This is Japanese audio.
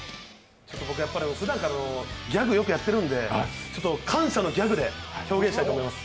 僕、やっぱりふだんからギャグよくやってるんで感謝のギャグで表現したいと思います。